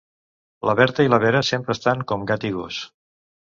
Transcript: La Berta i la Vera sempre estan com gat i gos